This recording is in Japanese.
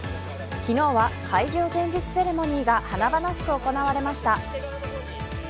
昨日は開業前日セレモニーが華々しく行われました。